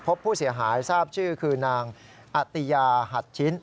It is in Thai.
พบผู้เสียหายทราบชื่อคือนางอติยาหัดชิ้น